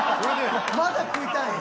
まだ食いたいん？